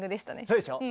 そうでしょ。